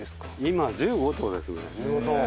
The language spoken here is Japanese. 今１５頭ですね。